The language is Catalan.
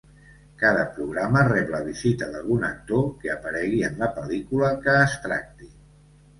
Cada programa rep la visita d'algun actor que aparegui en la pel·lícula que es tracti.